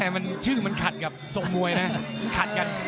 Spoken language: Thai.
แม่ชื่อขัดกับส่งมวยนะ